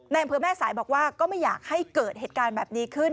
อำเภอแม่สายบอกว่าก็ไม่อยากให้เกิดเหตุการณ์แบบนี้ขึ้น